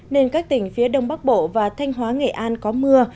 nên các tỉnh phía đông bắc bộ và thanh hóa nghệ an có mưa